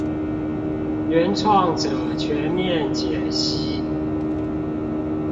原創者全面解析